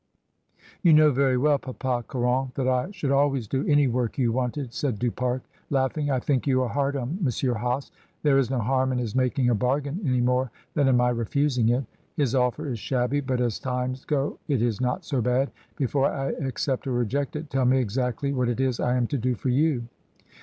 "You know very well. Papa Caron, that I should always do any work you wanted," said Du Pare, laughing. "I think you are hard on M. Hase. There is no harm in his making a bargain any more than in my refusing it. His offer is shabby, but as times go it is not so bad; before I accept or reject it, tell me exactly what it is I am to do for you."